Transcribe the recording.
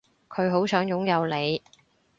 佢好想擁有你